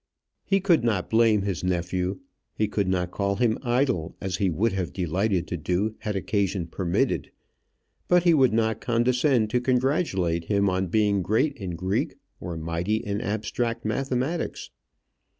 He could not blame his nephew: he could not call him idle, as he would have delighted to do had occasion permitted; but he would not condescend to congratulate him on being great in Greek or mighty in abstract mathematics.